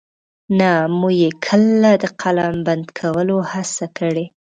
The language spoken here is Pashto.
نه مو يې کله د قلم بند کولو هڅه کړې.